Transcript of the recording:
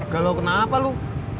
galau kenapa lu